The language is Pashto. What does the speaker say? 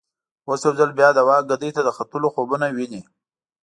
اوس یو ځل بیا د واک ګدۍ ته د ختلو خوبونه ویني.